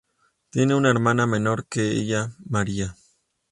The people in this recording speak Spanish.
Tiene una hermana menor que ella, María.